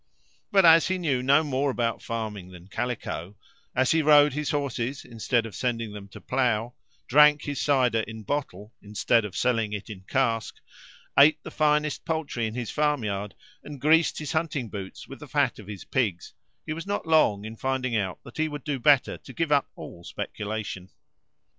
But, as he knew no more about farming than calico, as he rode his horses instead of sending them to plough, drank his cider in bottle instead of selling it in cask, ate the finest poultry in his farmyard, and greased his hunting boots with the fat of his pigs, he was not long in finding out that he would do better to give up all speculation.